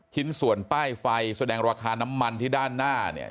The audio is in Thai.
ชิ้นส่วนป้ายไฟแสดงราคาน้ำมันที่ด้านหน้าเนี่ย